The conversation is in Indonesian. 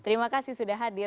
terima kasih sudah hadir